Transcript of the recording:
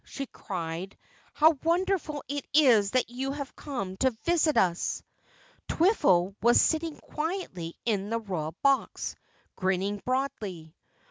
she cried, "How wonderful it is that you have come to visit us!" Twiffle was sitting quietly in the Royal Box, grinning broadly.